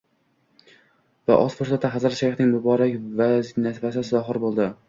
Va oz fursatda Hazrat shayxning muborak nafasi zohir boʻldi»